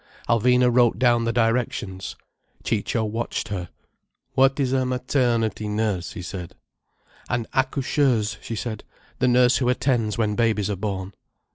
Alvina wrote down the directions. Ciccio watched her. "What is a maternity nurse?" he said. "An accoucheuse!" she said. "The nurse who attends when babies are born."